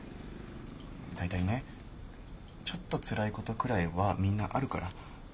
大体ねちょっとつらいことくらいはみんなあるから。